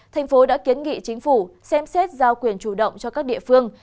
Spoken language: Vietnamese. thành phố đã kiến nghị chính phủ xem xét giao quyền chủ động cho các địa phương